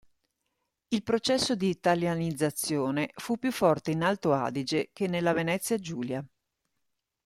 Il processo di italianizzazione fu più forte in Alto Adige che nella Venezia Giulia.